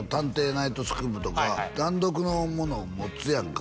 ナイトスクープ」とか単独のものを持つやんか